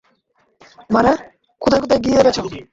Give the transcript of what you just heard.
মানে, কোথায় কোথায় গিয়ে বেচো?